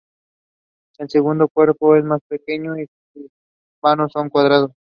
El segundo cuerpo es más pequeño y sus vanos son cuadrados.